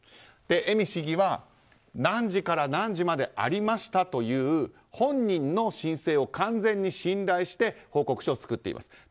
恵美市議は何時から何時までありましたという本人の申請を完全に信頼して報告書を作っています。